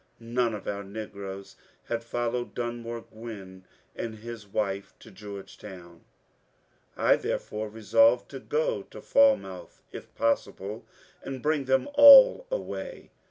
None of our negroes had fol lowed Dunmore Gwinn and his wife to Georgetown. I there fore resolved to go to Falmouth, if possible, and bring them all away.